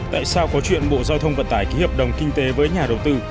tại sao có chuyện bộ giao thông vận tải ký hợp đồng kinh tế với nhà đầu tư